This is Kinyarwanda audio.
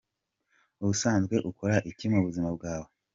Ubusanzwe ukora iki mu buzima bwawe?.